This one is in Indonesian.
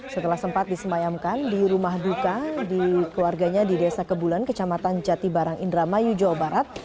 setelah sempat disemayamkan di rumah duka di keluarganya di desa kebulan kecamatan jatibarang indramayu jawa barat